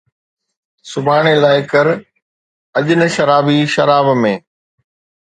سڀاڻي لاءِ ڪر، اڄ نه شرابي شراب ۾